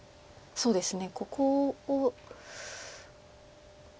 そうですね。